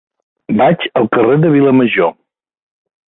Vaig al carrer de Vilamajor.